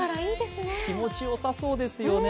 気持ちよさそうですよね。